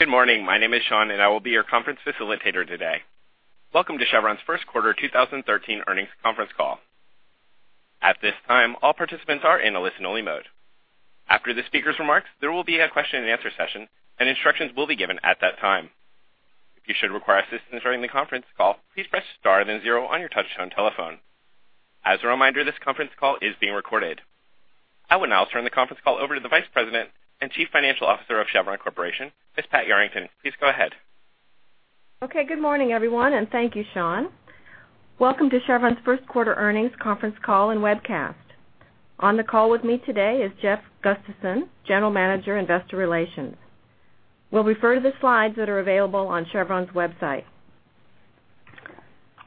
Good morning. My name is Sean, and I will be your conference facilitator today. Welcome to Chevron's first quarter 2013 earnings conference call. At this time, all participants are in a listen-only mode. After the speaker's remarks, there will be a question and answer session, and instructions will be given at that time. If you should require assistance during the conference call, please press star then zero on your touchtone telephone. As a reminder, this conference call is being recorded. I would now turn the conference call over to the Vice President and Chief Financial Officer of Chevron Corporation, Ms. Pat Yarrington. Please go ahead. Okay, good morning, everyone, and thank you, Sean. Welcome to Chevron's first quarter earnings conference call and webcast. On the call with me today is Jeff Gustavson, General Manager, Investor Relations. We'll refer to the slides that are available on Chevron's website.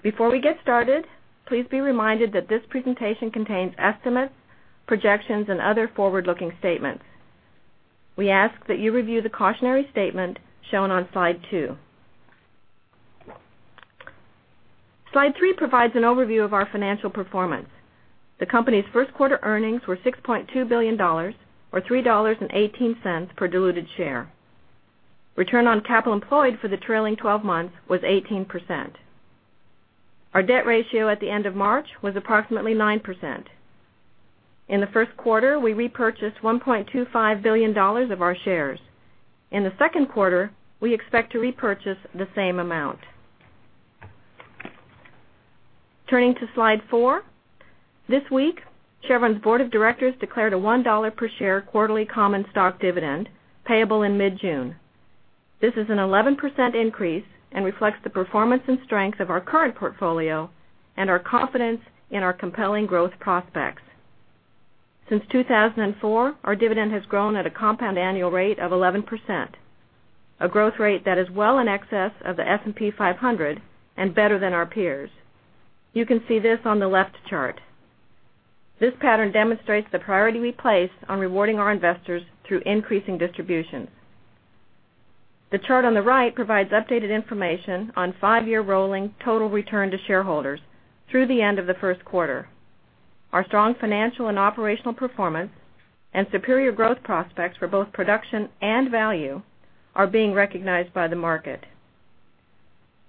Before we get started, please be reminded that this presentation contains estimates, projections, and other forward-looking statements. We ask that you review the cautionary statement shown on slide two. Slide three provides an overview of our financial performance. The company's first quarter earnings were $6.2 billion or $3.18 per diluted share. Return on capital employed for the trailing 12 months was 18%. Our debt ratio at the end of March was approximately 9%. In the first quarter, we repurchased $1.25 billion of our shares. In the second quarter, we expect to repurchase the same amount. Turning to slide four. This week, Chevron's board of directors declared a $1 per share quarterly common stock dividend payable in mid-June. This is an 11% increase and reflects the performance and strength of our current portfolio and our confidence in our compelling growth prospects. Since 2004, our dividend has grown at a compound annual rate of 11%, a growth rate that is well in excess of the S&P 500 and better than our peers. You can see this on the left chart. This pattern demonstrates the priority we place on rewarding our investors through increasing distributions. The chart on the right provides updated information on five-year rolling total return to shareholders through the end of the first quarter. Our strong financial and operational performance and superior growth prospects for both production and value are being recognized by the market.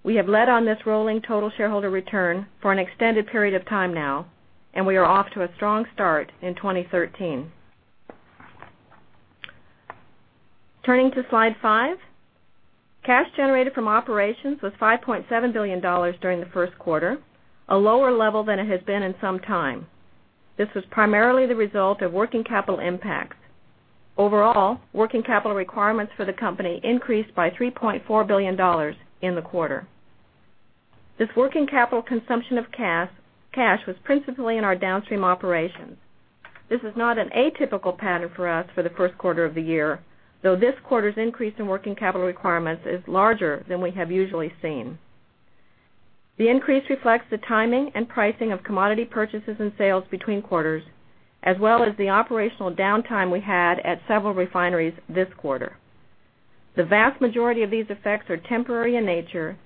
We have led on this rolling total shareholder return for an extended period of time now, and we are off to a strong start in 2013. Turning to slide five. Cash generated from operations was $5.7 billion during the first quarter, a lower level than it has been in some time. This was primarily the result of working capital impacts. Overall, working capital requirements for the company increased by $3.4 billion in the quarter. This working capital consumption of cash was principally in our downstream operations. This is not an atypical pattern for us for the first quarter of the year, though this quarter's increase in working capital requirements is larger than we have usually seen. The increase reflects the timing and pricing of commodity purchases and sales between quarters, as well as the operational downtime we had at several refineries this quarter. The vast majority of these effects are temporary in nature,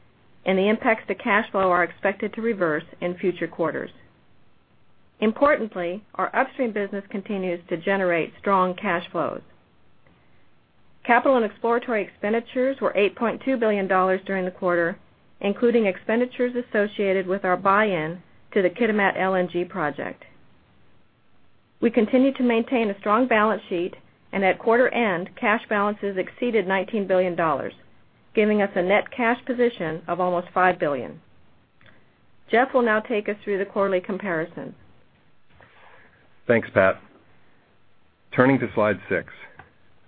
and the impacts to cash flow are expected to reverse in future quarters. Importantly, our upstream business continues to generate strong cash flows. Capital and exploratory expenditures were $8.2 billion during the quarter, including expenditures associated with our buy-in to the Kitimat LNG project. We continue to maintain a strong balance sheet, and at quarter end, cash balances exceeded $19 billion, giving us a net cash position of almost $5 billion. Jeff will now take us through the quarterly comparison. Thanks, Pat. Turning to slide six,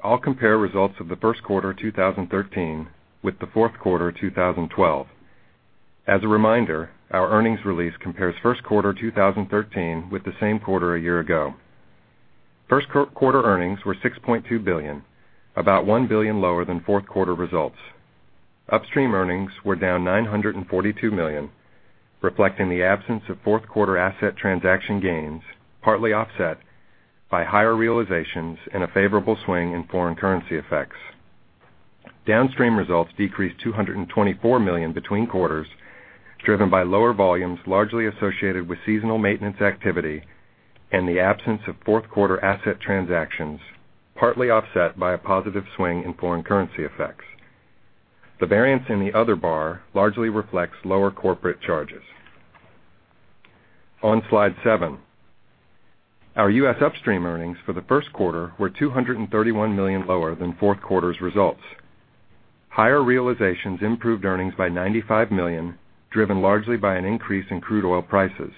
I'll compare results of the first quarter 2013 with the fourth quarter 2012. As a reminder, our earnings release compares first quarter 2013 with the same quarter a year ago. First quarter earnings were $6.2 billion, about $1 billion lower than fourth quarter results. Upstream earnings were down $942 million, reflecting the absence of fourth quarter asset transaction gains, partly offset by higher realizations and a favorable swing in foreign currency effects. Downstream results decreased $224 million between quarters, driven by lower volumes largely associated with seasonal maintenance activity and the absence of fourth quarter asset transactions, partly offset by a positive swing in foreign currency effects. The variance in the other bar largely reflects lower corporate charges. On slide seven, our U.S. upstream earnings for the first quarter were $231 million lower than fourth quarter's results. Higher realizations improved earnings by $95 million, driven largely by an increase in crude oil prices.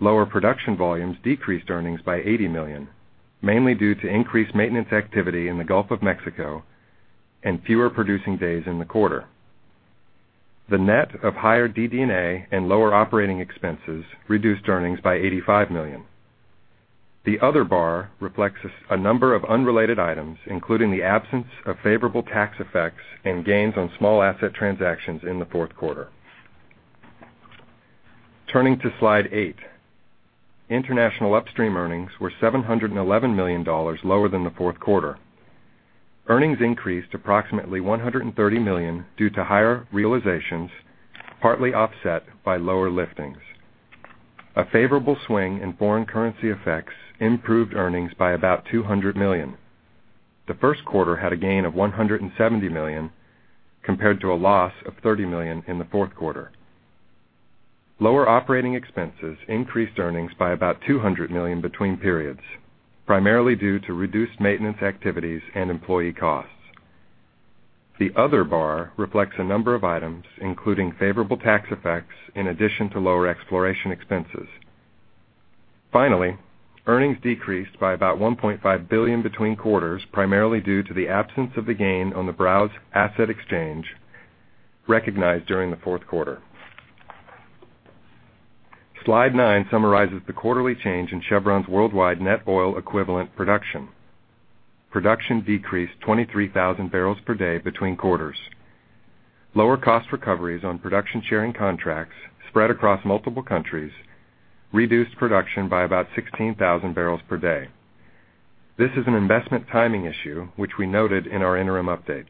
Lower production volumes decreased earnings by $80 million, mainly due to increased maintenance activity in the Gulf of Mexico and fewer producing days in the quarter. The net of higher DD&A and lower operating expenses reduced earnings by $85 million. The other bar reflects a number of unrelated items, including the absence of favorable tax effects and gains on small asset transactions in the fourth quarter. Turning to slide eight, international upstream earnings were $711 million lower than the fourth quarter. Earnings increased approximately $130 million due to higher realizations, partly offset by lower liftings. A favorable swing in foreign currency effects improved earnings by about $200 million. The first quarter had a gain of $170 million compared to a loss of $30 million in the fourth quarter. Lower operating expenses increased earnings by about $200 million between periods, primarily due to reduced maintenance activities and employee costs. The other bar reflects a number of items, including favorable tax effects in addition to lower exploration expenses. Finally, earnings decreased by about $1.5 billion between quarters, primarily due to the absence of the gain on the Browse asset exchange recognized during the fourth quarter. Slide nine summarizes the quarterly change in Chevron's worldwide net oil equivalent production. Production decreased 23,000 barrels per day between quarters. Lower cost recoveries on production sharing contracts spread across multiple countries reduced production by about 16,000 barrels per day. This is an investment timing issue, which we noted in our interim update.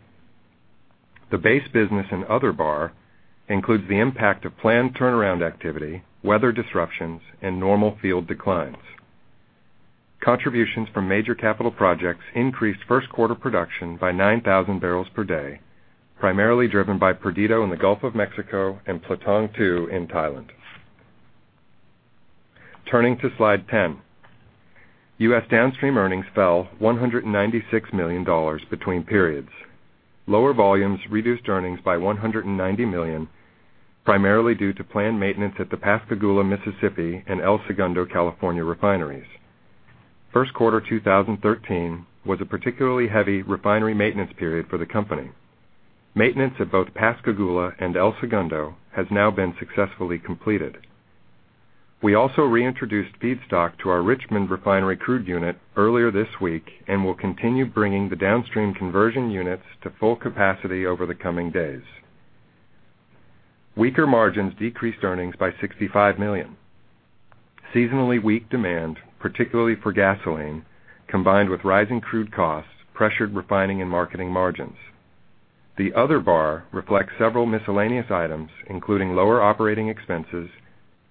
The base business and other bar includes the impact of planned turnaround activity, weather disruptions, and normal field declines. Contributions from major capital projects increased first-quarter production by 9,000 barrels per day, primarily driven by Perdido in the Gulf of Mexico and Platong II in Thailand. Turning to slide 10. U.S. downstream earnings fell $196 million between periods. Lower volumes reduced earnings by $190 million, primarily due to planned maintenance at the Pascagoula, Mississippi, and El Segundo, California refineries. First quarter 2013 was a particularly heavy refinery maintenance period for the company. Maintenance at both Pascagoula and El Segundo has now been successfully completed. We also reintroduced feedstock to our Richmond refinery crude unit earlier this week and will continue bringing the downstream conversion units to full capacity over the coming days. Weaker margins decreased earnings by $65 million. Seasonally weak demand, particularly for gasoline, combined with rising crude costs, pressured refining and marketing margins. The other bar reflects several miscellaneous items, including lower operating expenses,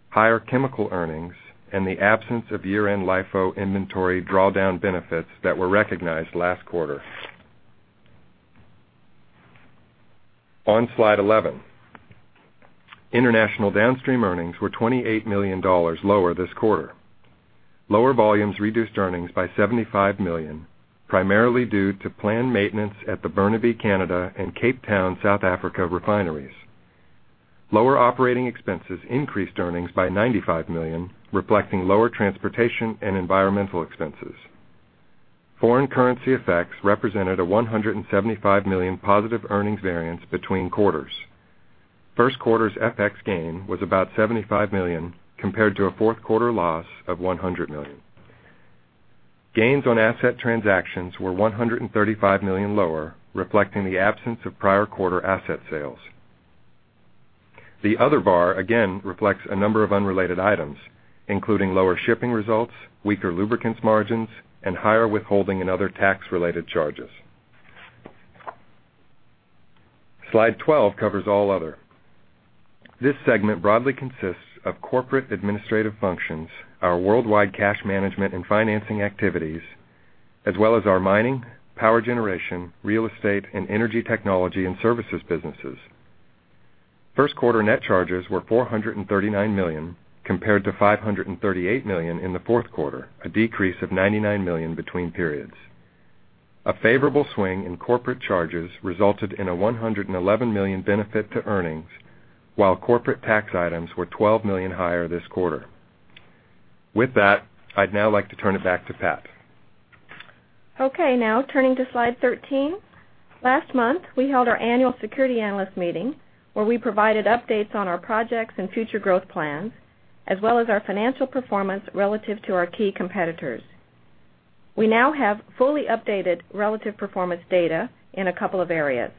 higher chemical earnings, and the absence of year-end LIFO inventory drawdown benefits that were recognized last quarter. On slide 11, international downstream earnings were $28 million lower this quarter. Lower volumes reduced earnings by $75 million, primarily due to planned maintenance at the Burnaby, Canada, and Cape Town, South Africa refineries. Lower operating expenses increased earnings by $95 million, reflecting lower transportation and environmental expenses. Foreign currency effects represented a $175 million positive earnings variance between quarters. First quarter's FX gain was about $75 million compared to a fourth-quarter loss of $100 million. Gains on asset transactions were $135 million lower, reflecting the absence of prior quarter asset sales. The other bar again reflects a number of unrelated items, including lower shipping results, weaker lubricants margins, and higher withholding and other tax-related charges. Slide 12 covers all other. This segment broadly consists of corporate administrative functions, our worldwide cash management and financing activities, as well as our mining, power generation, real estate, and energy technology and services businesses. First-quarter net charges were $439 million compared to $538 million in the fourth quarter, a decrease of $99 million between periods. A favorable swing in corporate charges resulted in a $111 million benefit to earnings, while corporate tax items were $12 million higher this quarter. With that, I'd now like to turn it back to Pat. Okay. Now turning to slide 13. Last month, we held our annual security analyst meeting, where we provided updates on our projects and future growth plans, as well as our financial performance relative to our key competitors. We now have fully updated relative performance data in a couple of areas,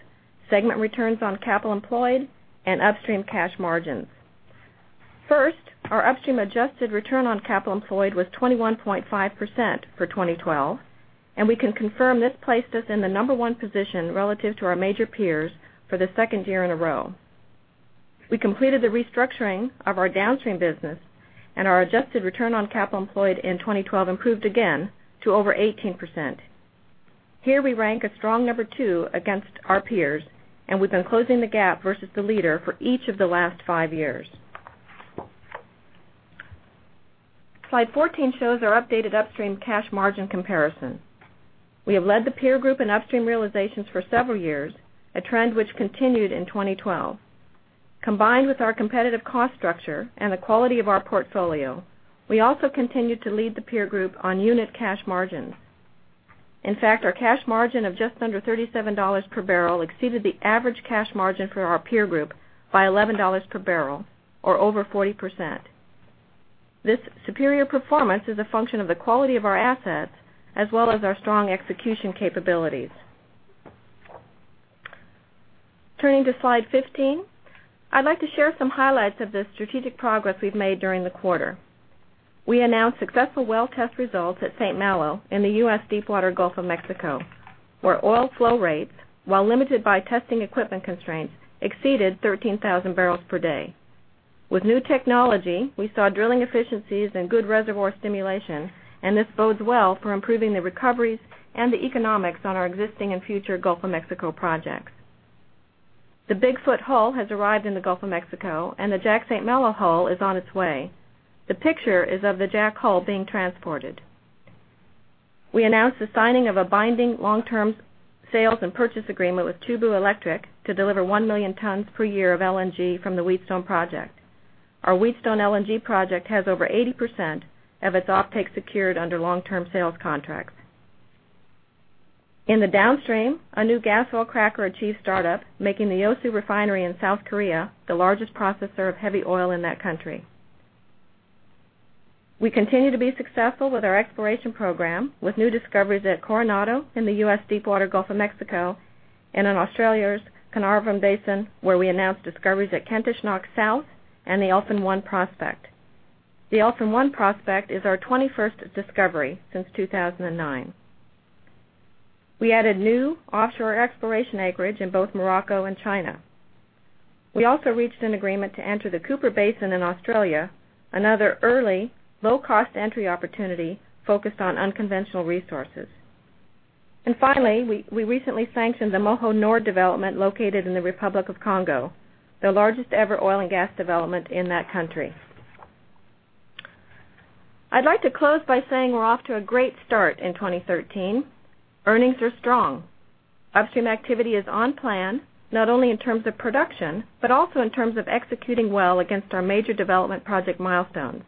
segment returns on capital employed, and upstream cash margins. First, our upstream adjusted return on capital employed was 21.5% for 2012, and we can confirm this placed us in the number one position relative to our major peers for the second year in a row. We completed the restructuring of our downstream business, and our adjusted return on capital employed in 2012 improved again to over 18%. Here we rank a strong number two against our peers, and we've been closing the gap versus the leader for each of the last five years. Slide 14 shows our updated upstream cash margin comparison. We have led the peer group in upstream realizations for several years, a trend which continued in 2012. Combined with our competitive cost structure and the quality of our portfolio, we also continued to lead the peer group on unit cash margins. In fact, our cash margin of just under $37 per barrel exceeded the average cash margin for our peer group by $11 per barrel, or over 40%. This superior performance is a function of the quality of our assets as well as our strong execution capabilities. Turning to slide 15, I'd like to share some highlights of the strategic progress we've made during the quarter. We announced successful well test results at St. Malo in the U.S. deepwater Gulf of Mexico, where oil flow rates, while limited by testing equipment constraints, exceeded 13,000 barrels per day. With new technology, we saw drilling efficiencies and good reservoir stimulation. This bodes well for improving the recoveries and the economics on our existing and future Gulf of Mexico projects. The Bigfoot hull has arrived in the Gulf of Mexico, and the Jack St. Malo hull is on its way. The picture is of the Jack hull being transported. We announced the signing of a binding long-term sales and purchase agreement with Chubu Electric to deliver 1 million tons per year of LNG from the Wheatstone project. Our Wheatstone LNG project has over 80% of its offtake secured under long-term sales contracts. In the downstream, a new gas oil cracker achieved startup, making the Yeosu refinery in South Korea the largest processor of heavy oil in that country. We continue to be successful with our exploration program, with new discoveries at Coronado in the U.S. deepwater Gulf of Mexico. In Australia's Carnarvon Basin, where we announced discoveries at Kentish Knock South and the Elphin-1 prospect. The Elphin-1 prospect is our 21st discovery since 2009. We added new offshore exploration acreage in both Morocco and China. We also reached an agreement to enter the Cooper Basin in Australia, another early, low-cost entry opportunity focused on unconventional resources. Finally, we recently sanctioned the Moho Nord development located in the Republic of Congo, the largest-ever oil and gas development in that country. I'd like to close by saying we're off to a great start in 2013. Earnings are strong. Upstream activity is on plan, not only in terms of production, but also in terms of executing well against our major development project milestones.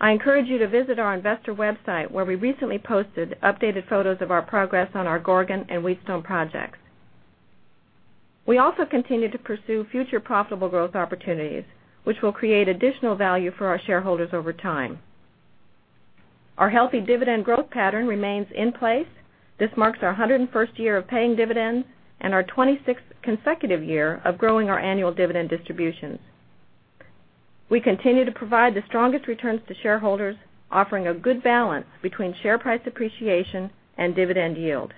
I encourage you to visit our investor website, where we recently posted updated photos of our progress on our Gorgon and Wheatstone projects. We also continue to pursue future profitable growth opportunities, which will create additional value for our shareholders over time. Our healthy dividend growth pattern remains in place. This marks our 101st year of paying dividends and our 26th consecutive year of growing our annual dividend distributions. We continue to provide the strongest returns to shareholders, offering a good balance between share price appreciation and dividend yield.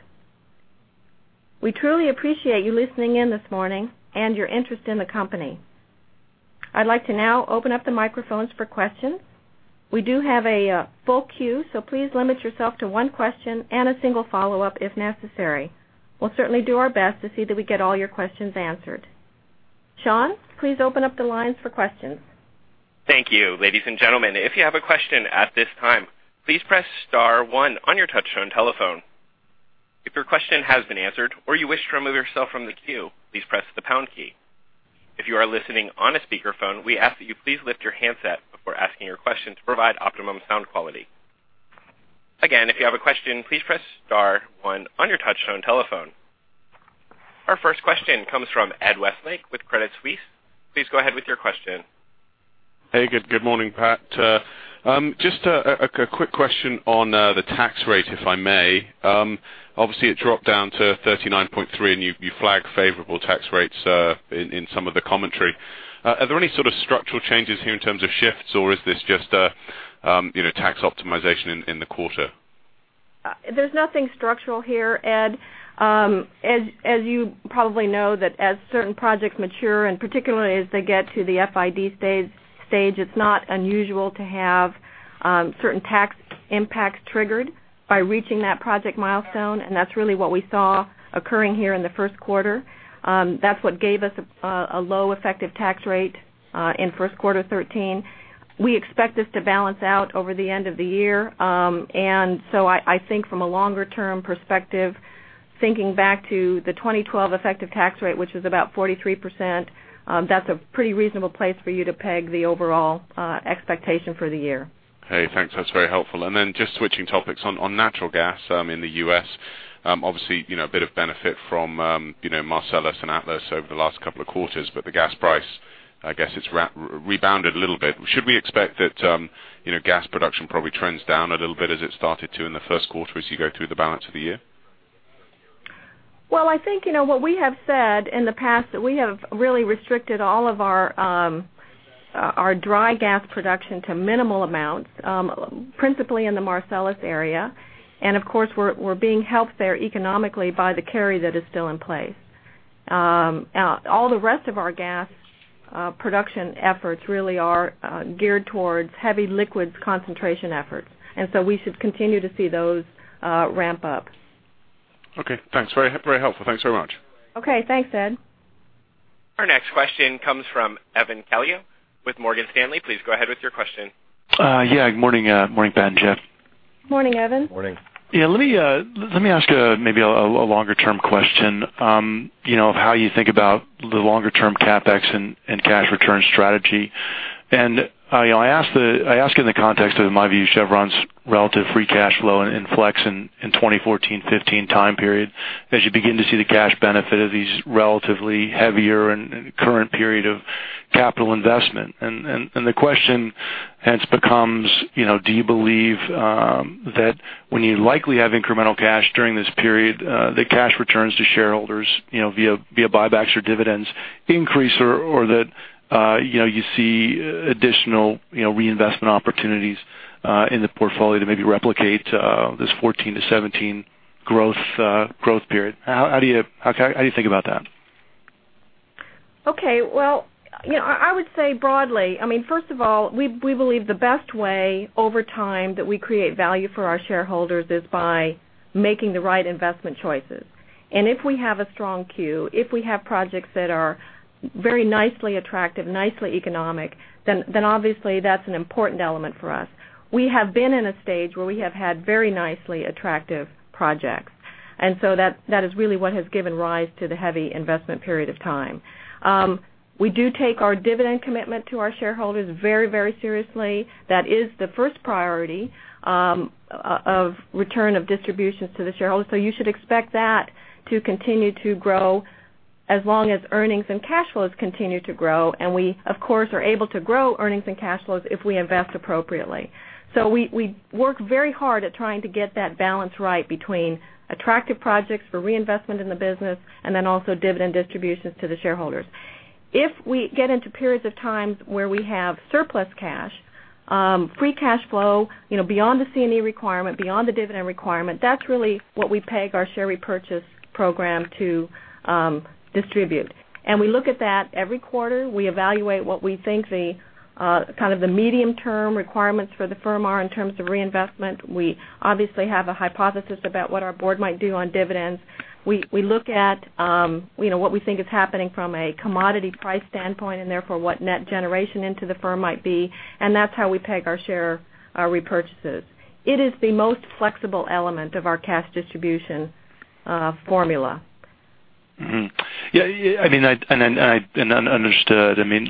We truly appreciate you listening in this morning and your interest in the company. I'd like to now open up the microphones for questions. We do have a full queue, so please limit yourself to one question and a single follow-up if necessary. We'll certainly do our best to see that we get all your questions answered. Sean, please open up the lines for questions. Thank you. Ladies and gentlemen, if you have a question at this time, please press *1 on your touchtone telephone. If your question has been answered or you wish to remove yourself from the queue, please press the # key. If you are listening on a speakerphone, we ask that you please lift your handset before asking your question to provide optimum sound quality. Again, if you have a question, please press *1 on your touchtone telephone. Our first question comes from Ed Westlake with Credit Suisse. Please go ahead with your question. Hey, good morning, Pat. Just a quick question on the tax rate, if I may. It dropped down to 39.3 and you flagged favorable tax rates in some of the commentary. Are there any sort of structural changes here in terms of shifts, or is this just a tax optimization in the quarter? There's nothing structural here, Ed. As you probably know that as certain projects mature, and particularly as they get to the FID stage, it's not unusual to have certain tax impacts triggered by reaching that project milestone, and that's really what we saw occurring here in the first quarter. That's what gave us a low effective tax rate in first quarter 2013. We expect this to balance out over the end of the year. I think from a longer-term perspective, thinking back to the 2012 effective tax rate, which is about 43%, that's a pretty reasonable place for you to peg the overall expectation for the year. Hey, thanks. That's very helpful. Just switching topics on natural gas in the U.S., obviously, a bit of benefit from Marcellus and Atlas over the last couple of quarters, but the gas price, I guess, it's rebounded a little bit. Should we expect that gas production probably trends down a little bit as it started to in the first quarter as you go through the balance of the year? Well, I think what we have said in the past that we have really restricted all of our dry gas production to minimal amounts, principally in the Marcellus area. Of course, we're being helped there economically by the carry that is still in place. All the rest of our gas production efforts really are geared towards heavy liquids concentration efforts, so we should continue to see those ramp up. Okay, thanks. Very helpful. Thanks very much. Okay. Thanks, Ed. Our next question comes from Evan Calio with Morgan Stanley. Please go ahead with your question. Yeah. Morning, Pat and Jeff. Morning, Evan. Morning. Yeah. Let me ask maybe a longer-term question, of how you think about the longer-term CapEx and cash return strategy. I ask in the context of, in my view, Chevron's relative free cash flow and flex in 2014, '15 time period, as you begin to see the cash benefit of these relatively heavier and current period of capital investment. The question hence becomes, do you believe that when you likely have incremental cash during this period, the cash returns to shareholders via buybacks or dividends increase, or that you see additional reinvestment opportunities in the portfolio to maybe replicate this '14 to '17 growth period. How do you think about that? Okay. Well, I would say broadly, first of all, we believe the best way over time that we create value for our shareholders is by making the right investment choices. If we have a strong queue, if we have projects that are very nicely attractive, nicely economic, then obviously that's an important element for us. We have been in a stage where we have had very nicely attractive projects, That is really what has given rise to the heavy investment period of time. We do take our dividend commitment to our shareholders very seriously. That is the first priority of return of distributions to the shareholders. You should expect that to continue to grow as long as earnings and cash flows continue to grow. We, of course, are able to grow earnings and cash flows if we invest appropriately. We work very hard at trying to get that balance right between attractive projects for reinvestment in the business and then also dividend distributions to the shareholders. If we get into periods of times where we have surplus cash, free cash flow, beyond the C&E requirement, beyond the dividend requirement, that's really what we peg our share repurchase program to distribute. We look at that every quarter. We evaluate what we think the medium-term requirements for the firm are in terms of reinvestment. We obviously have a hypothesis about what our board might do on dividends. We look at what we think is happening from a commodity price standpoint, Therefore what net generation into the firm might be, That's how we peg our share repurchases. It is the most flexible element of our cash distribution formula. Mm-hmm. Understood. Let me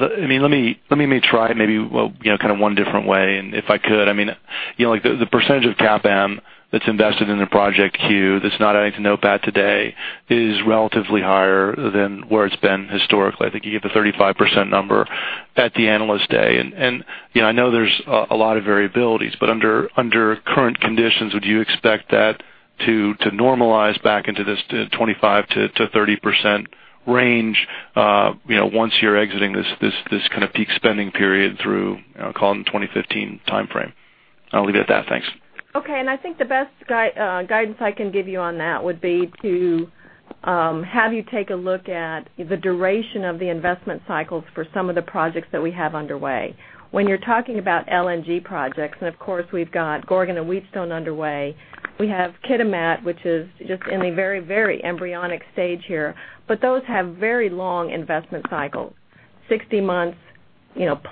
try maybe one different way, if I could. The percentage of CapEx that's invested in the project queue that's not adding to NOPAT today is relatively higher than where it's been historically. I think you gave the 35% number at the Analyst Day. I know there's a lot of variabilities, but under current conditions, would you expect that to normalize back into this 25%-30% range, once you're exiting this kind of peak spending period through, call it, 2015 timeframe? I'll leave it at that. Thanks. Okay. I think the best guidance I can give you on that would be to have you take a look at the duration of the investment cycles for some of the projects that we have underway. When you're talking about LNG projects, Of course, we've got Gorgon and Wheatstone underway. We have Kitimat, which is just in a very embryonic stage here, but those have very long investment cycles, 60 months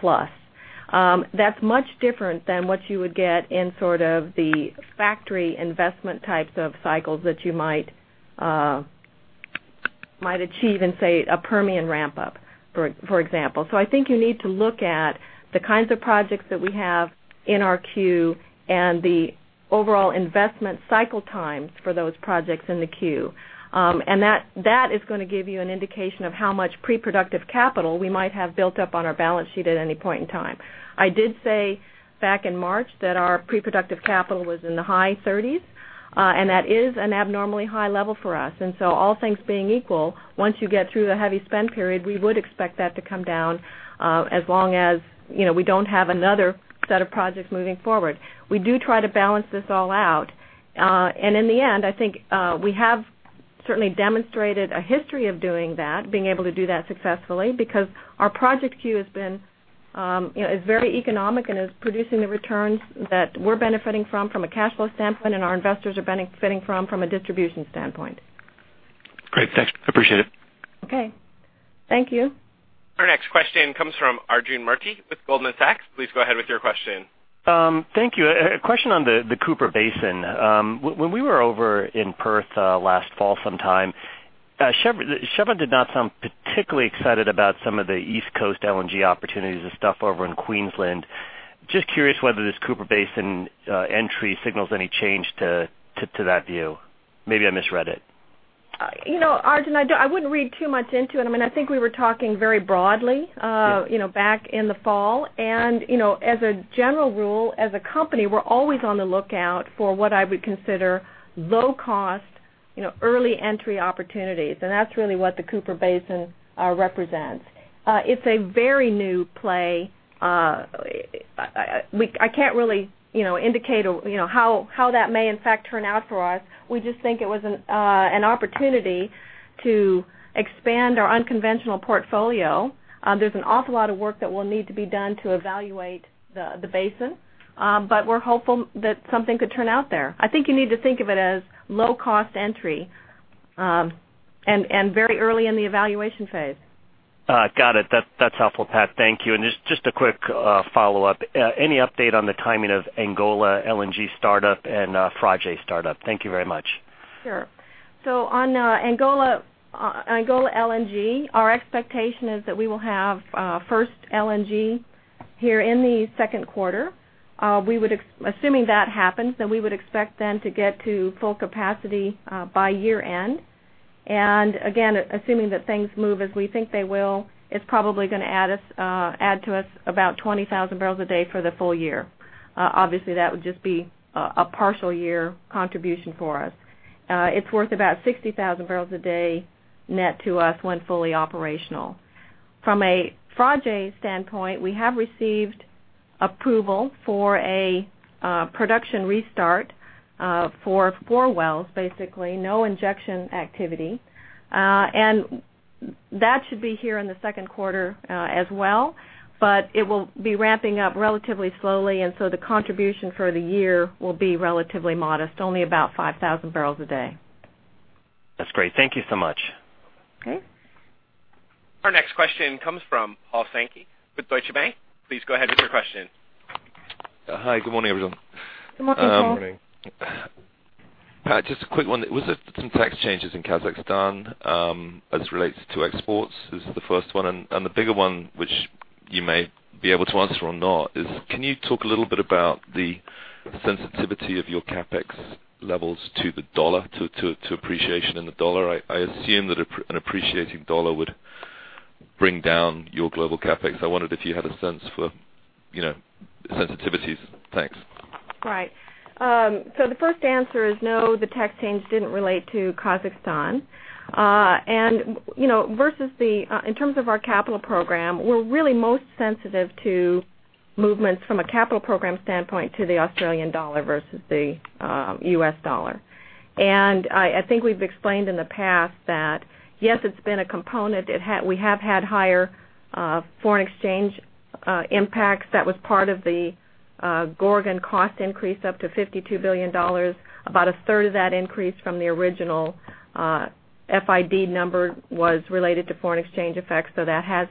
plus. That's much different than what you would get in sort of the factory investment types of cycles that you might achieve in, say, a Permian ramp-up, for example. I think you need to look at the kinds of projects that we have in our queue and the overall investment cycle times for those projects in the queue. That is going to give you an indication of how much pre-productive capital we might have built up on our balance sheet at any point in time. I did say back in March that our pre-productive capital was in the high 30s. That is an abnormally high level for us. All things being equal, once you get through the heavy spend period, we would expect that to come down, as long as we don't have another set of projects moving forward. We do try to balance this all out. In the end, I think, we have certainly demonstrated a history of doing that, being able to do that successfully, because our project queue is very economic and is producing the returns that we're benefiting from a cash flow standpoint, and our investors are benefiting from a distribution standpoint. Great. Thanks. I appreciate it. Okay. Thank you. Our next question comes from Arjun Murti with Goldman Sachs. Please go ahead with your question. Thank you. A question on the Cooper Basin. When we were over in Perth last fall sometime, Chevron did not sound particularly excited about some of the East Coast LNG opportunities and stuff over in Queensland. Just curious whether this Cooper Basin entry signals any change to that view. Maybe I misread it. Arjun, I wouldn't read too much into it. I think we were talking very broadly- Yeah back in the fall. As a general rule, as a company, we're always on the lookout for what I would consider low cost, early entry opportunities. That's really what the Cooper Basin represents. It's a very new play. I can't really indicate how that may in fact turn out for us. We just think it was an opportunity to expand our unconventional portfolio. There's an awful lot of work that will need to be done to evaluate the basin. We're hopeful that something could turn out there. I think you need to think of it as low cost entry, and very early in the evaluation phase. Got it. That's helpful, Pat. Thank you. Just a quick follow-up. Any update on the timing of Angola LNG startup and Frade startup? Thank you very much. Sure. On Angola LNG, our expectation is that we will have first LNG here in the second quarter. Assuming that happens, then we would expect to get to full capacity by year-end. Again, assuming that things move as we think they will, it's probably going to add to us about 20,000 barrels a day for the full year. Obviously, that would just be a partial year contribution for us. It's worth about 60,000 barrels a day net to us when fully operational. From a Frade standpoint, we have received Approval for a production restart for four wells, basically. No injection activity. That should be here in the second quarter as well, but it will be ramping up relatively slowly. The contribution for the year will be relatively modest, only about 5,000 barrels a day. That's great. Thank you so much. Okay. Our next question comes from Paul Sankey with Deutsche Bank. Please go ahead with your question. Hi, good morning, everyone. Good morning, Paul. Good morning. Pat, just a quick one. Was there some tax changes in Kazakhstan as it relates to exports? This is the first one, and the bigger one, which you may be able to answer or not, is can you talk a little bit about the sensitivity of your CapEx levels to the dollar, to appreciation in the dollar? I assume that an appreciating dollar would bring down your global CapEx. I wondered if you had a sense for sensitivities. Thanks. Right. The first answer is no, the tax change didn't relate to Kazakhstan. In terms of our capital program, we're really most sensitive to movements from a capital program standpoint to the Australian dollar versus the U.S. dollar. I think we've explained in the past that, yes, it's been a component. We have had higher foreign exchange impacts. That was part of the Gorgon cost increase up to $52 billion. About a third of that increase from the original FID number was related to foreign exchange effects, so that has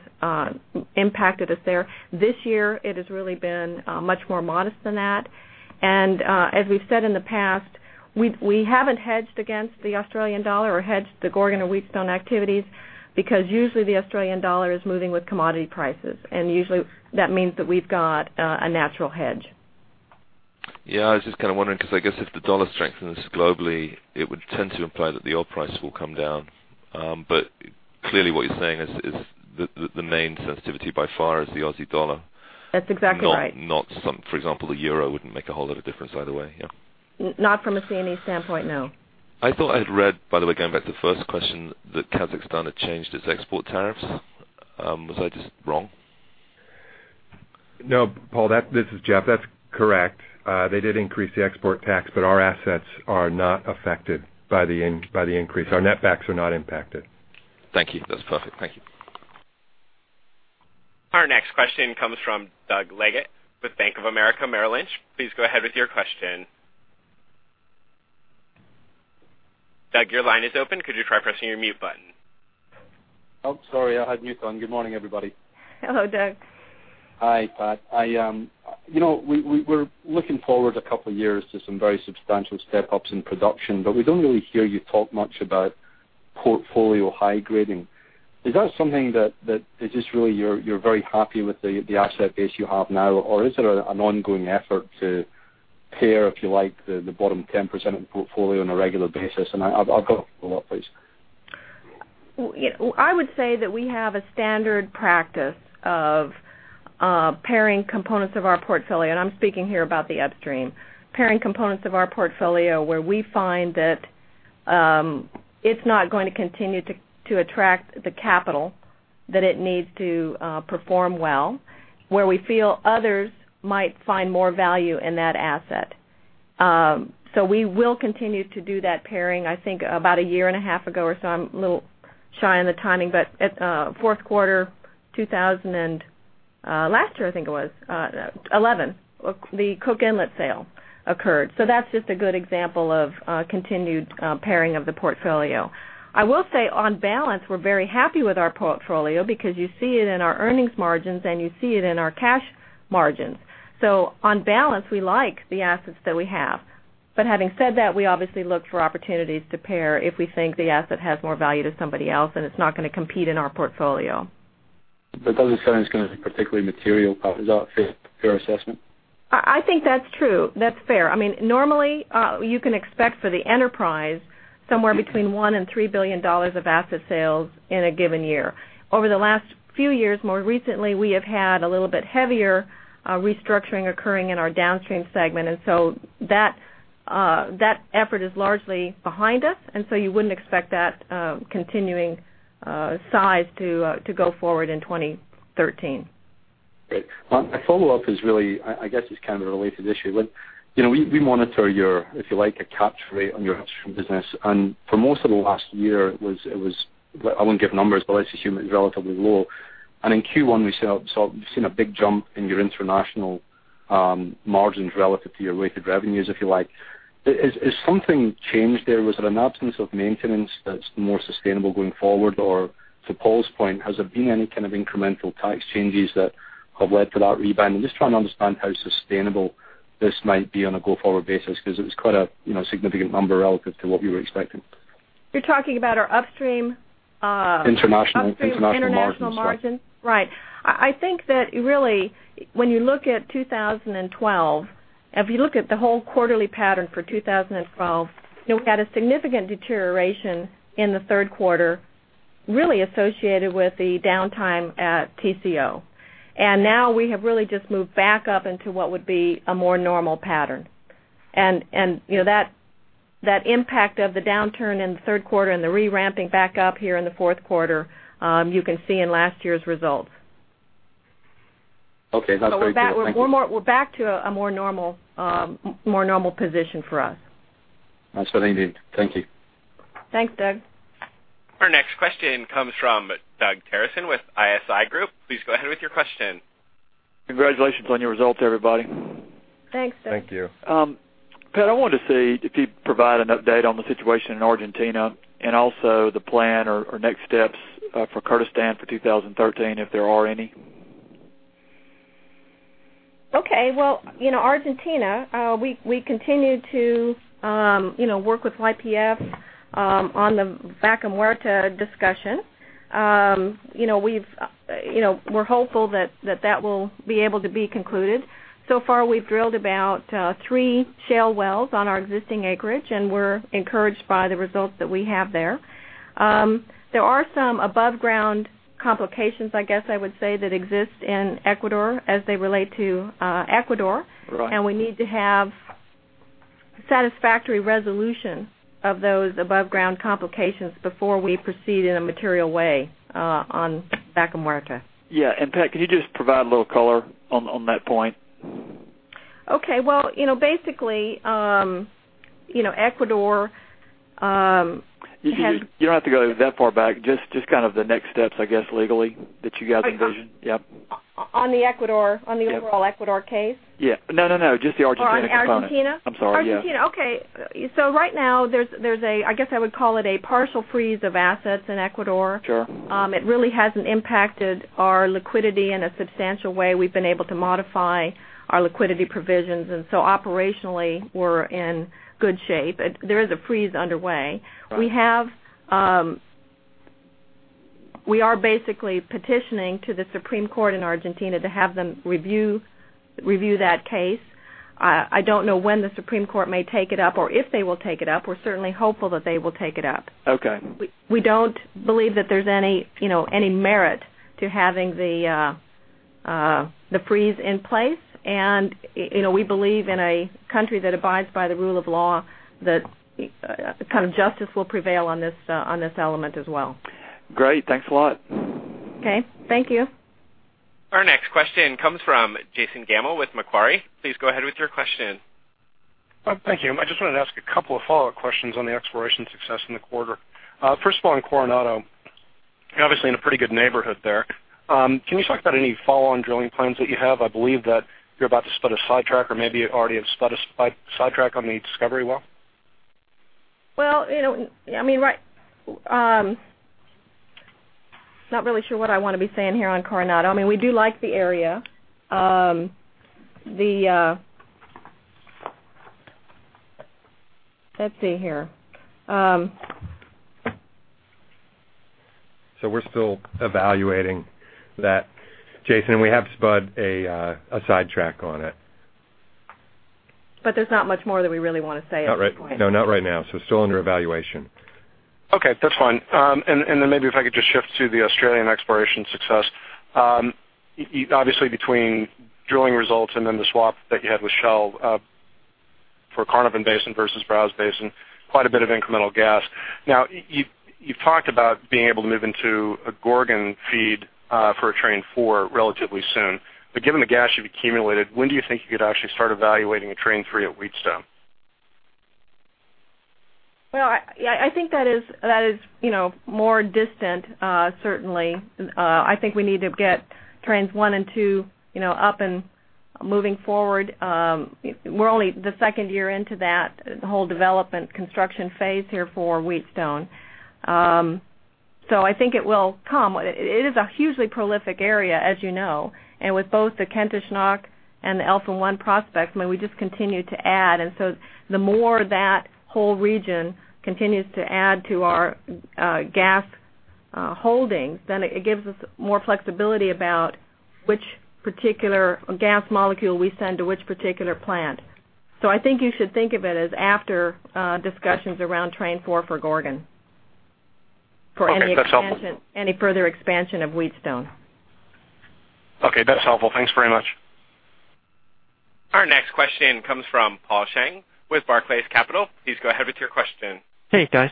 impacted us there. This year, it has really been much more modest than that. As we've said in the past, we haven't hedged against the Australian dollar or hedged the Gorgon or Wheatstone activities because usually the Australian dollar is moving with commodity prices, and usually that means that we've got a natural hedge. Yeah, I was just kind of wondering, I guess if the dollar strengthens globally, it would tend to imply that the oil price will come down. Clearly what you're saying is, the main sensitivity by far is the Aussie dollar. That's exactly right. Not, for example, the euro wouldn't make a whole lot of difference either way, yeah? Not from a C&E standpoint, no. I thought I'd read, by the way, going back to the first question, that Kazakhstan had changed its export tariffs. Was I just wrong? No, Paul, this is Jeff. That's correct. They did increase the export tax, our assets are not affected by the increase. Our netbacks are not impacted. Thank you. That's perfect. Thank you. Our next question comes from Douglas Leggate with Bank of America Merrill Lynch. Please go ahead with your question. Doug, your line is open. Could you try pressing your mute button? Oh, sorry, I had mute on. Good morning, everybody. Hello, Doug. Hi, Pat. We're looking forward a couple of years to some very substantial step-ups in production, but we don't really hear you talk much about portfolio high grading. Is that something that is just really you're very happy with the asset base you have now, or is there an ongoing effort to pare, if you like, the bottom 10% of the portfolio on a regular basis? I'll go off the line, please. I would say that we have a standard practice of pairing components of our portfolio, and I'm speaking here about the upstream. Pairing components of our portfolio, where we find that it's not going to continue to attract the capital that it needs to perform well, where we feel others might find more value in that asset. We will continue to do that pairing. I think about a year and a half ago or so, I'm a little shy on the timing, but at fourth quarter 2011, the Cook Inlet sale occurred. That's just a good example of continued pairing of the portfolio. I will say on balance, we're very happy with our portfolio because you see it in our earnings margins and you see it in our cash margins. On balance, we like the assets that we have. Having said that, we obviously look for opportunities to pare if we think the asset has more value to somebody else and it's not going to compete in our portfolio. Doesn't sound as kind of particularly material, Pat. Is that a fair assessment? I think that's true. That's fair. Normally, you can expect for the enterprise somewhere between $1 billion and $3 billion of asset sales in a given year. Over the last few years, more recently, we have had a little bit heavier restructuring occurring in our downstream segment. That effort is largely behind us, you wouldn't expect that continuing size to go forward in 2013. Great. My follow-up is really, I guess it's kind of a related issue. We monitor your, if you like, a capture rate on your upstream business, and for most of the last year it was, I won't give numbers, but let's assume it's relatively low. In Q1 we saw you've seen a big jump in your international margins relative to your weighted revenues, if you like. Has something changed there? Was it an absence of maintenance that's more sustainable going forward? Or to Paul's point, has there been any kind of incremental tax changes that have led to that rebound? I'm just trying to understand how sustainable this might be on a go-forward basis, because it was quite a significant number relative to what we were expecting. You're talking about our upstream- International margins upstream international margins? Right. I think that really when you look at 2012, if you look at the whole quarterly pattern for 2012, we had a significant deterioration in the third quarter, really associated with the downtime at Tengizchevroil. Now we have really just moved back up into what would be a more normal pattern. That impact of the downturn in the third quarter and the reramping back up here in the fourth quarter, you can see in last year's results. Okay, that's very clear. Thank you. We're back to a more normal position for us. That's what I needed. Thank you. Thanks, Doug. Our next question comes from Doug Terreson with ISI Group. Please go ahead with your question. Congratulations on your results, everybody. Thanks, Doug. Thank you. Pat, I wanted to see if you'd provide an update on the situation in Argentina and also the plan or next steps for Kurdistan for 2013, if there are any. Okay. Well, Argentina, we continue to work with YPF on the Vaca Muerta discussion. We're hopeful that that will be able to be concluded. So far, we've drilled about three shale wells on our existing acreage. We're encouraged by the results that we have there. There are some above ground complications, I guess I would say, that exist in Ecuador as they relate to Ecuador. Right. We need to have satisfactory resolution of those above ground complications before we proceed in a material way on Vaca Muerta. Yeah. Pat, could you just provide a little color on that point? Okay. Well, basically, Ecuador has You don't have to go that far back. Just the next steps, I guess, legally that you guys envision. Yep. On the overall Ecuador case? Yeah. No, just the Argentina component. On Argentina? I'm sorry. Yeah. Argentina. Okay. Right now there's, I guess I would call it a partial freeze of assets in Ecuador. Sure. It really hasn't impacted our liquidity in a substantial way. We've been able to modify our liquidity provisions, and so operationally, we're in good shape. There is a freeze underway. Right. We are basically petitioning to the Supreme Court in Argentina to have them review that case. I don't know when the Supreme Court may take it up or if they will take it up. We're certainly hopeful that they will take it up. Okay. We don't believe that there's any merit to having the freeze in place. We believe in a country that abides by the rule of law, that justice will prevail on this element as well. Great. Thanks a lot. Okay. Thank you. Our next question comes from Jason Gammel with Macquarie. Please go ahead with your question. Thank you. I just wanted to ask a couple of follow-up questions on the exploration success in the quarter. First of all, on Coronado. You're obviously in a pretty good neighborhood there. Can you talk about any follow-on drilling plans that you have? I believe that you're about to spud a sidetrack, or maybe you already have spud a sidetrack on the discovery well. Well, not really sure what I want to be saying here on Coronado. We do like the area. Let's see here. We're still evaluating that, Jason. We have spud a sidetrack on it. There's not much more that we really want to say at this point. No, not right now. It's still under evaluation. Okay, that's fine. Maybe if I could just shift to the Australian exploration success. Obviously between drilling results and then the swap that you had with Shell, for Carnarvon Basin versus Browse Basin, quite a bit of incremental gas. You've talked about being able to move into a Gorgon feed for a Train 4 relatively soon. Given the gas you've accumulated, when do you think you could actually start evaluating a Train 3 at Wheatstone? I think that is more distant, certainly. I think we need to get Trains 1 and 2 up and moving forward. We're only the second year into that whole development construction phase here for Wheatstone. I think it will come. It is a hugely prolific area, as you know, and with both the Kentish Knock and the Alpha 1 prospects, we just continue to add. The more that whole region continues to add to our gas holdings, then it gives us more flexibility about which particular gas molecule we send to which particular plant. I think you should think of it as after discussions around Train 4 for Gorgon for any expansion. Okay. That's helpful. any further expansion of Wheatstone. Okay. That's helpful. Thanks very much. Our next question comes from Paul Cheng with Barclays Capital. Please go ahead with your question. Hey, guys.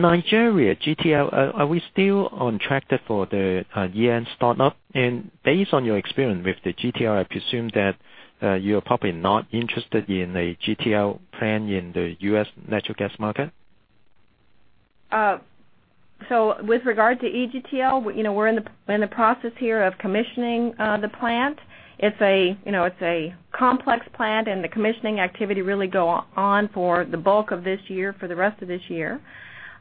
Nigeria GTL, are we still on track there for the year-end start-up? Based on your experience with the GTL, I presume that you're probably not interested in a GTL plan in the U.S. natural gas market? With regard to EGTL, we're in the process here of commissioning the plant. It's a complex plant and the commissioning activity really go on for the bulk of this year, for the rest of this year.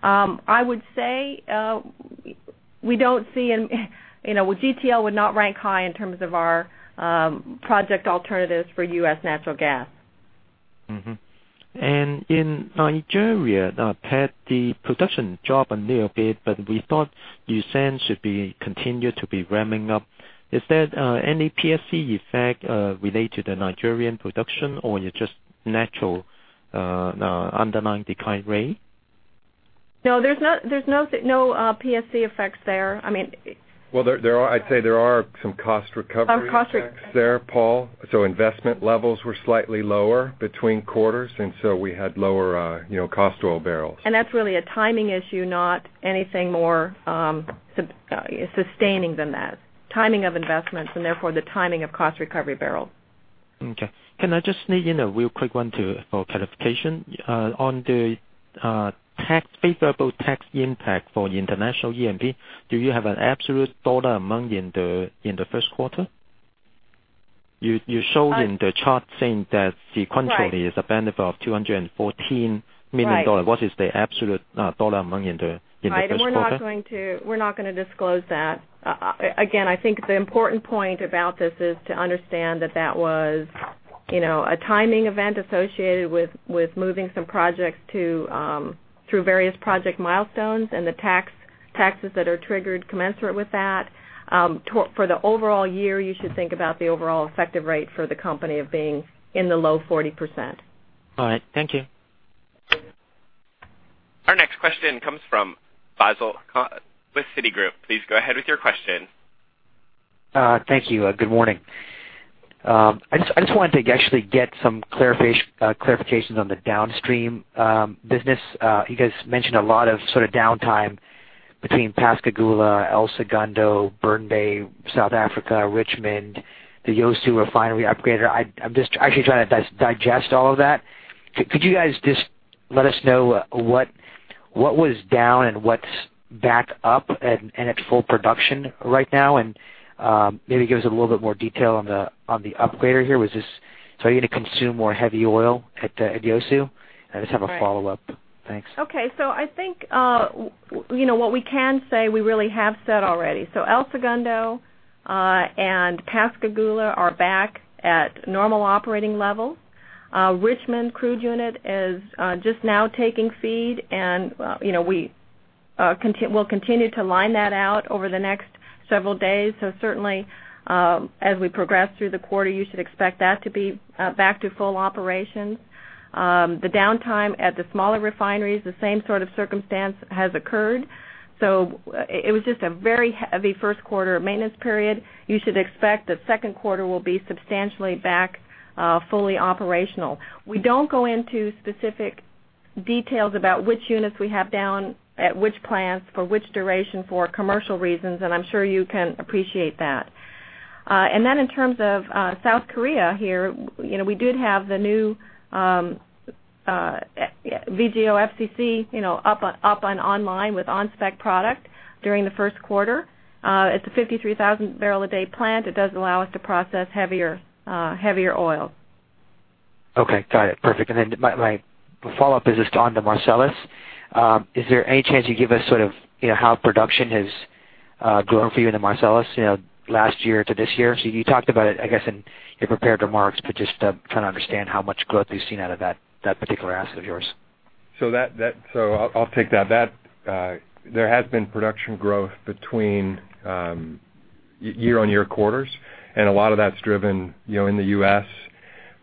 I would say GTL would not rank high in terms of our project alternatives for U.S. natural gas. In Nigeria, Pat, the production dropped a little bit, but we thought Usan should be continued to be ramping up. Is there any PSC effect related to Nigerian production, or is it just natural underlying decline rate? No, there's no PSC effects there. Well, I'd say there are some cost recovery effects there, Paul. Investment levels were slightly lower between quarters, and so we had lower cost oil barrels. That's really a timing issue, not anything more sustaining than that. Timing of investments and therefore the timing of cost recovery barrels. Okay. Can I just sneak in a real quick one for clarification? On the favorable tax impact for international E&P, do you have an absolute dollar amount in the first quarter? You show in the chart saying that sequentially is a benefit of $214 million. Right. What is the absolute dollar amount in the first quarter? Right, we're not going to disclose that. Again, I think the important point about this is to understand that was a timing event associated with moving some projects through various project milestones and the taxes that are triggered commensurate with that. For the overall year, you should think about the overall effective rate for the company of being in the low 40%. All right. Thank you. Our next question comes from Basil with Citigroup. Please go ahead with your question. Thank you. Good morning. I just wanted to actually get some clarifications on the downstream business. You guys mentioned a lot of sort of downtime between Pascagoula, El Segundo, Burnaby, South Africa, Richmond, the Yeosu refinery upgrader. I'm just actually trying to digest all of that. Could you guys just let us know what was down and what's back up and at full production right now? And maybe give us a little bit more detail on the upgrader here. Was this starting to consume more heavy oil at Yeosu? I just have a follow-up. Thanks. Okay. I think, what we can say, we really have said already. El Segundo and Pascagoula are back at normal operating level. Richmond crude unit is just now taking feed, and we'll continue to line that out over the next several days. Certainly, as we progress through the quarter, you should expect that to be back to full operations. The downtime at the smaller refineries, the same sort of circumstance has occurred. It was just a very heavy first quarter maintenance period. You should expect that second quarter will be substantially back fully operational. We don't go into specific details about which units we have down at which plants for which duration for commercial reasons, and I'm sure you can appreciate that. In terms of South Korea here, we did have the new VGO FCC up and online with on-spec product during the first quarter. It's a 53,000 barrel a day plant. It does allow us to process heavier oil. Okay. Got it. Perfect. My follow-up is just on to Marcellus. Is there any chance you give us how production has grown for you in the Marcellus last year to this year? You talked about it, I guess, in your prepared remarks, but just trying to understand how much growth you've seen out of that particular asset of yours. I'll take that. There has been production growth between year-on-year quarters, and a lot of that's driven in the U.S.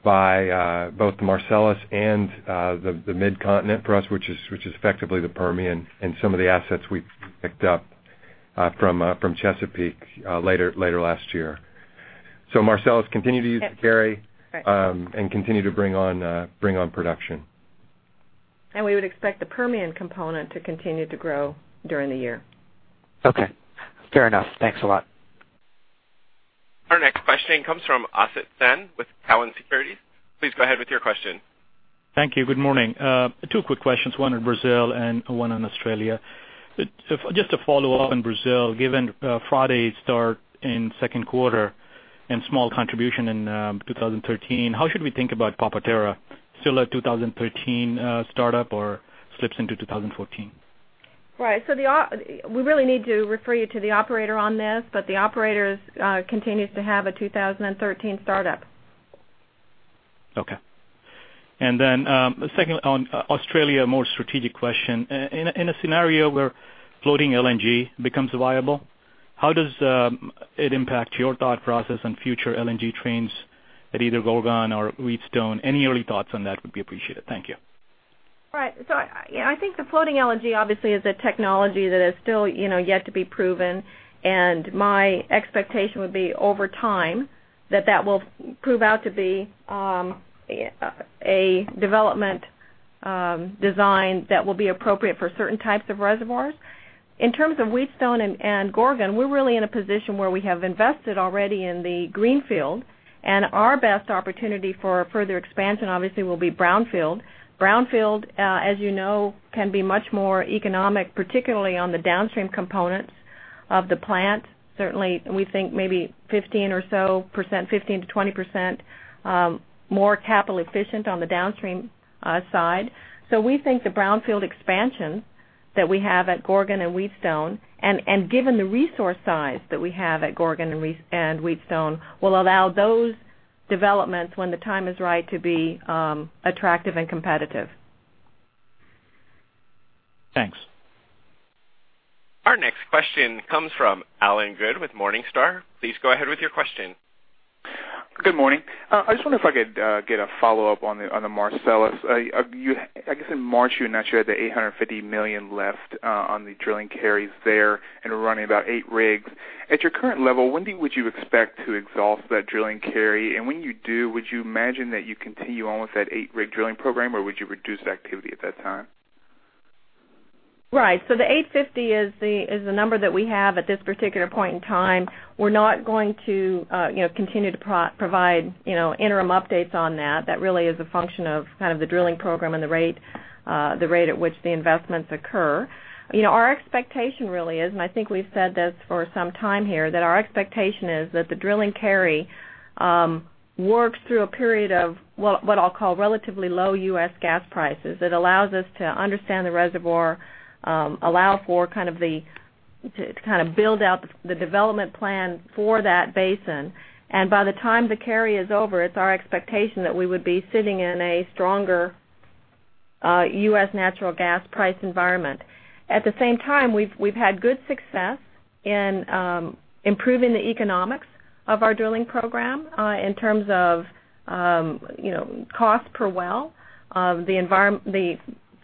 by both the Marcellus and the Mid-Continent for us, which is effectively the Permian and some of the assets we picked up from Chesapeake later last year. Marcellus continue to carry and continue to bring on production. We would expect the Permian component to continue to grow during the year. Okay. Fair enough. Thanks a lot. Our next question comes from Asit Sen with Cowen Securities. Please go ahead with your question. Thank you. Good morning. Two quick questions, one on Brazil and one on Australia. Just to follow up on Brazil, given Friday's start in second quarter and small contribution in 2013, how should we think about Papa-Terra? Still a 2013 startup or slips into 2014? Right. We really need to refer you to the operator on this. The operator continues to have a 2013 startup. Then, secondly on Australia, more strategic question. In a scenario where floating LNG becomes viable, how does it impact your thought process on future LNG trains at either Gorgon or Wheatstone? Any early thoughts on that would be appreciated. Thank you. Right. I think the floating LNG obviously is a technology that is still yet to be proven, and my expectation would be over time that that will prove out to be a development design that will be appropriate for certain types of reservoirs. In terms of Wheatstone and Gorgon, we're really in a position where we have invested already in the greenfield, and our best opportunity for further expansion obviously will be brownfield. Brownfield, as you know, can be much more economic, particularly on the downstream components of the plant. Certainly, we think maybe 15% or so, 15%-20% more capital efficient on the downstream side. We think the brownfield expansion that we have at Gorgon and Wheatstone, and given the resource size that we have at Gorgon and Wheatstone, will allow those developments, when the time is right, to be attractive and competitive. Thanks. Our next question comes from Allen Good with Morningstar. Please go ahead with your question. Good morning. I just wonder if I could get a follow-up on the Marcellus. I guess in March, you mentioned you had the $850 million left on the drilling carries there and running about eight rigs. At your current level, when would you expect to exhaust that drilling carry? When you do, would you imagine that you continue on with that eight-rig drilling program, or would you reduce activity at that time? Right. The 850 is the number that we have at this particular point in time. We're not going to continue to provide interim updates on that. That really is a function of the drilling program and the rate at which the investments occur. Our expectation really is, and I think we've said this for some time here, that our expectation is that the drilling carry works through a period of what I'll call relatively low U.S. gas prices. It allows us to understand the reservoir, allow for to build out the development plan for that basin. By the time the carry is over, it's our expectation that we would be sitting in a stronger U.S. natural gas price environment. At the same time, we've had good success in improving the economics of our drilling program in terms of cost per well, the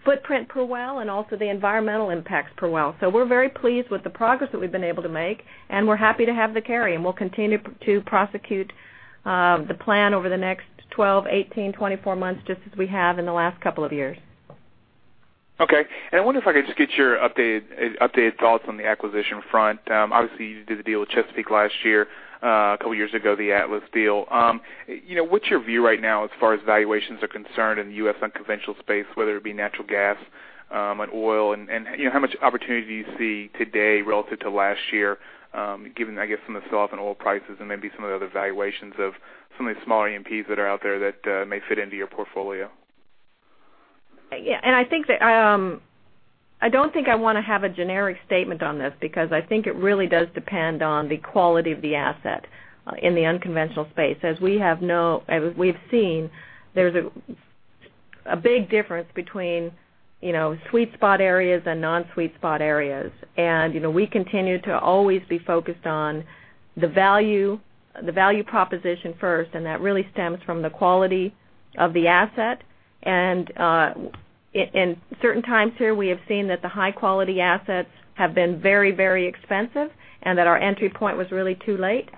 footprint per well, and also the environmental impacts per well. We're very pleased with the progress that we've been able to make, and we're happy to have the carry, and we'll continue to prosecute the plan over the next 12, 18, 24 months, just as we have in the last couple of years. Okay. I wonder if I could just get your updated thoughts on the acquisition front. Obviously, you did the deal with Chesapeake last year, a couple of years ago, the Atlas deal. What's your view right now as far as valuations are concerned in U.S. unconventional space, whether it be natural gas and oil? How much opportunity do you see today relative to last year, given, I guess, some of the drop in oil prices and maybe some of the other valuations of some of the smaller E&Ps that are out there that may fit into your portfolio? Yeah. I don't think I want to have a generic statement on this, because I think it really does depend on the quality of the asset in the unconventional space. As we've seen, there's a big difference between sweet spot areas and non-sweet spot areas. We continue to always be focused on the value proposition first, and that really stems from the quality of the asset. In certain times here, we have seen that the high-quality assets have been very expensive and that our entry point was really too late.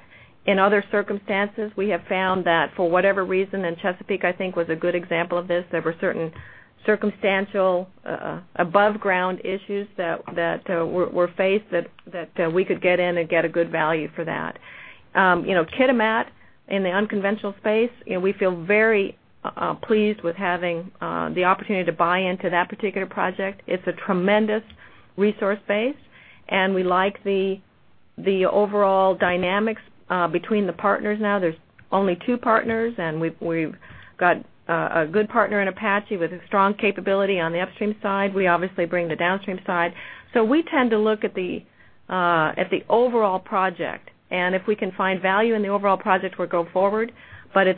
In other circumstances, we have found that for whatever reason, and Chesapeake, I think, was a good example of this, there were certain circumstantial above ground issues that were faced that we could get in and get a good value for that. Kitimat in the unconventional space, we feel very pleased with having the opportunity to buy into that particular project. It's a tremendous resource base, and we like the overall dynamics between the partners now. There's only two partners, and we've got a good partner in Apache with a strong capability on the upstream side. We obviously bring the downstream side. We tend to look at the overall project, and if we can find value in the overall project, we'll go forward. There's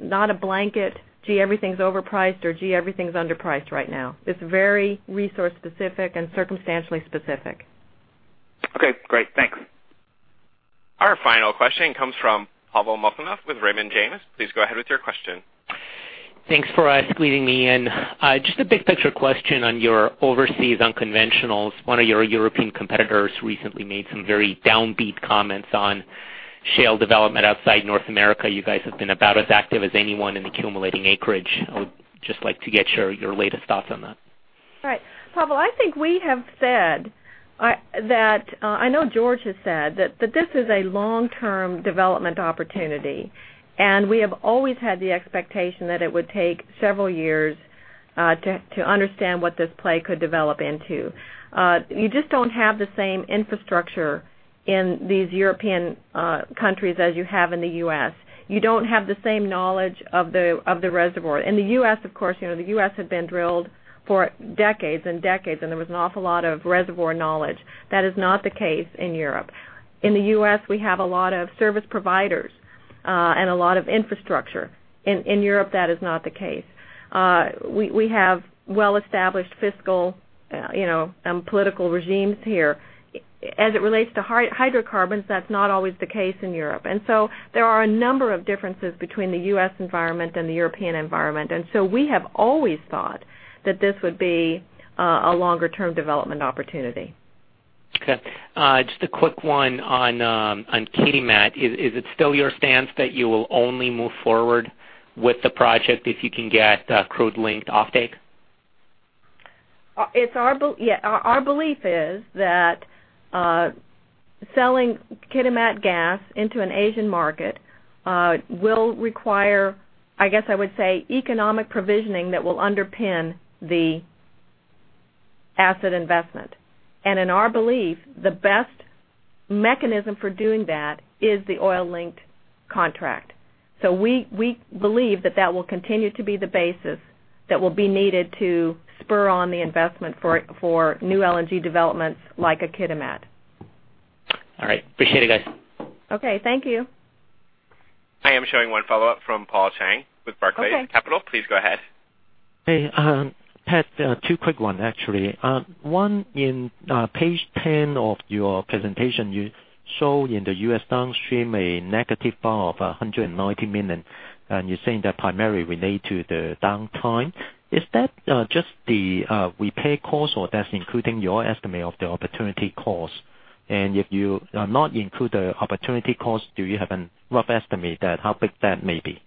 not a blanket, gee, everything's overpriced or gee, everything's underpriced right now. It's very resource specific and circumstantially specific. Okay, great. Thanks. Our final question comes from Pavel Molchanov with Raymond James. Please go ahead with your question. Thanks for squeezing me in. Just a big picture question on your overseas unconventionals. One of your European competitors recently made some very downbeat comments on shale development outside North America. You guys have been about as active as anyone in accumulating acreage. I would just like to get your latest thoughts on that. Pavel, I think we have said that, I know George has said that this is a long-term development opportunity. We have always had the expectation that it would take several years to understand what this play could develop into. You just don't have the same infrastructure in these European countries as you have in the U.S. You don't have the same knowledge of the reservoir. In the U.S., of course, the U.S. had been drilled for decades and decades, and there was an awful lot of reservoir knowledge. That is not the case in Europe. In the U.S., we have a lot of service providers, and a lot of infrastructure. In Europe, that is not the case. We have well-established fiscal and political regimes here. As it relates to hydrocarbons, that's not always the case in Europe. There are a number of differences between the U.S. environment and the European environment. We have always thought that this would be a longer-term development opportunity. Just a quick one on Kitimat. Is it still your stance that you will only move forward with the project if you can get crude-linked offtake? Our belief is that selling Kitimat gas into an Asian market will require, I guess I would say, economic provisioning that will underpin the asset investment. In our belief, the best mechanism for doing that is the oil-linked contract. We believe that that will continue to be the basis that will be needed to spur on the investment for new LNG developments like a Kitimat. All right. Appreciate it, guys. Okay. Thank you. I am showing one follow-up from Paul Cheng with Barclays Capital. Please go ahead. Hey, Pat, two quick ones actually. One, in page 10 of your presentation, you show in the U.S. downstream a negative bar of $190 million, and you're saying that primarily relate to the downtime. Is that just the repair cost or that's including your estimate of the opportunity cost? And if you not include the opportunity cost, do you have a rough estimate how big that may be?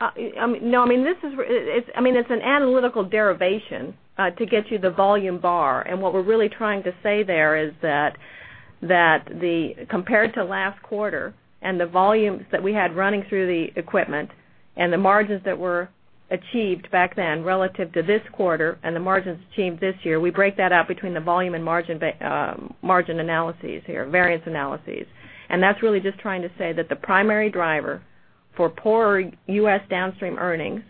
No, it's an analytical derivation to get you the volume bar. What we're really trying to say there is that compared to last quarter and the volumes that we had running through the equipment and the margins that were achieved back then relative to this quarter and the margins achieved this year, we break that out between the volume and margin analyses here, variance analyses. That's really just trying to say that the primary driver for poor U.S. downstream earnings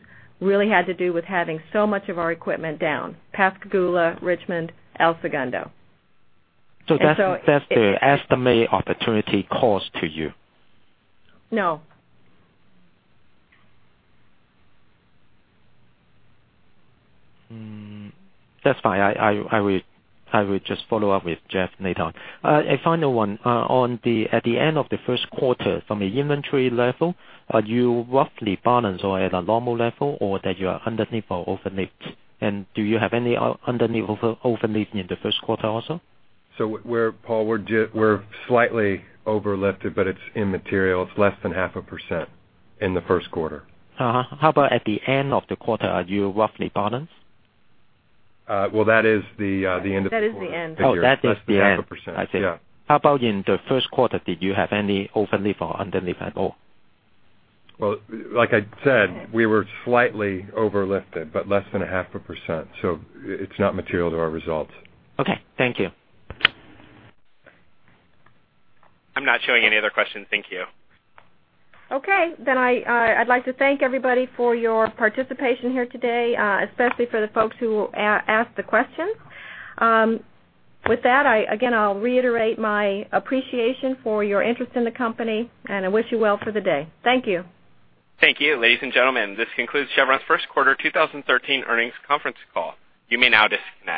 really had to do with having so much of our equipment down, Pascagoula, Richmond, El Segundo. That's the estimate opportunity cost to you. No. That's fine. I will just follow up with Jeff later. A final one. At the end of the first quarter, from an inventory level, are you roughly balanced or at a normal level, or that you are underlift or overlift? Do you have any underlift, overlifting in the first quarter also? Paul, we're slightly overlifted, but it's immaterial. It's less than half a % in the first quarter. Uh-huh. How about at the end of the quarter, are you roughly balanced? Well, that is the end of the quarter. That is the end. Oh, that is the end. Less than half a %. Yeah. I see. How about in the first quarter, did you have any overlift or underlift at all? Well, like I said, we were slightly overlifted, but less than a half a %, so it's not material to our results. Okay. Thank you. I'm not showing any other questions. Thank you. Okay. I'd like to thank everybody for your participation here today, especially for the folks who asked the questions. With that, again, I'll reiterate my appreciation for your interest in the company, and I wish you well for the day. Thank you. Thank you. Ladies and gentlemen, this concludes Chevron's first-quarter 2013 earnings conference call. You may now disconnect.